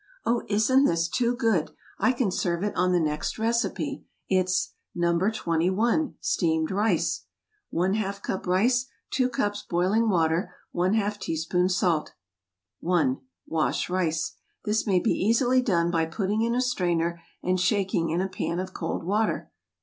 Oh, isn't this too good? I can serve it on the next recipe. It's NO. 21. STEAMED RICE. ½ cup rice 2 cups boiling water ½ teaspoon salt 1. Wash rice. This may be easily done by putting in a strainer and shaking in a pan of cold water.